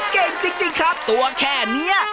เก่งจริงครับตัวแค่นี้